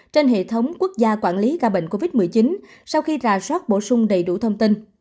trên hệ thống quốc gia quản lý ca bệnh covid một mươi chín sau khi rà soát bổ sung đầy đủ thông tin